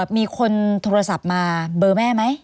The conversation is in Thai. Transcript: มีคนโทรศัพท์มาเบอร์แม่ไหม